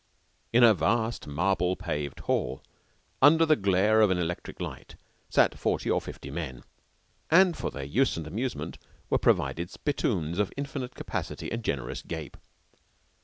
In a vast marble paved hall, under the glare of an electric light, sat forty or fifty men, and for their use and amusement were provided spittoons of infinite capacity and generous gape.